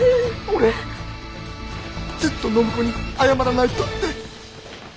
☎俺ずっと暢子に謝らないとって。